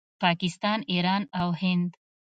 پاکستان، ایران او هند